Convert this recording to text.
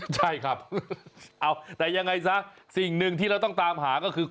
ใช่ครับเอาแต่ยังไงซะสิ่งหนึ่งที่เราต้องตามหาก็คือ